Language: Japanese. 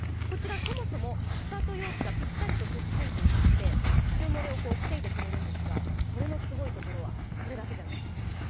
こちら、そもそも蓋と容器がぴったりとくっついていまして汁漏れを防いでくれるんですがこれのすごいところは、これだけじゃないんです。